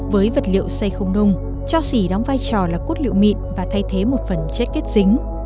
với vật liệu xây không nung cho xỉ đóng vai trò là cốt liệu mịn và thay thế một phần chết kết dính